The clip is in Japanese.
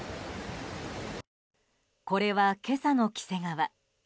これは今朝の黄瀬川。